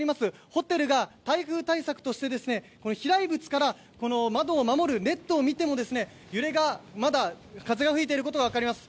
ホテルが台風対策として飛来物から窓を守るネットを見ても揺れで、風が吹いていることが分かります。